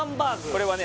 これはね